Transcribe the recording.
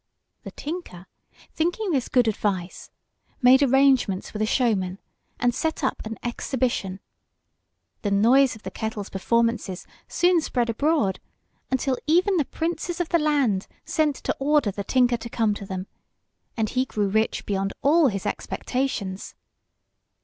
The tinker, thinking this good advice, made arrangements with a showman, and set up an exhibition. The noise of the kettle's performances soon spread abroad, until even the Princes of the land sent to order the tinker to come to them; and he grew rich beyond all his expectations.